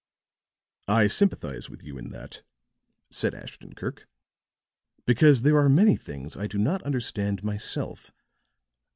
"I sympathize with you in that," said Ashton Kirk, "because there are many things I do not understand myself.